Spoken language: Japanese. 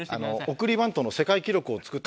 送りバントの世界記録を作った。